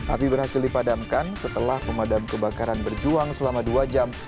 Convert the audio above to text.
api berhasil dipadamkan setelah pemadam kebakaran berjuang selama dua jam